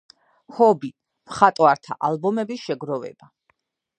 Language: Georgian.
ჰობი: მხატვართა ალბომების შეგროვება.